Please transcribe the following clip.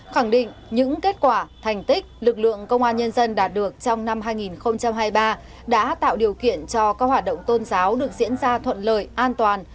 khẳng định những kết quả thành tích lực lượng công an nhân dân đạt được trong năm hai nghìn hai mươi ba đã tạo điều kiện cho các hoạt động tôn giáo được diễn ra thuận lợi an toàn